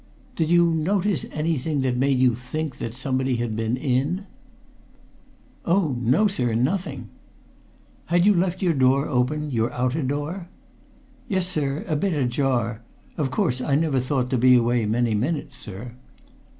"Did you notice anything that made you think somebody had been in?" "Oh, no, sir, nothing!" "Had you left your door open your outer door?" "Yes, sir a bit ajar. Of course I never thought to be away many minutes, sir."